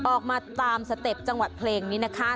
ออกมาตามสเต็ปจังหวัดเพลงนี้นะคะ